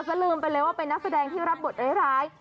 ก็ลืมไปเลยว่าเป็นนักแสดงที่รับบทร้าย